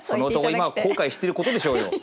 今は後悔してることでしょうよ。